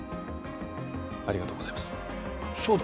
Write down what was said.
ありがとうございますそうだ